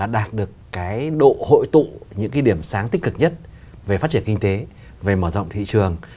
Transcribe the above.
đạt được độ hội tụ những điểm sáng tích cực nhất về phát triển kinh tế mở rộng thị trường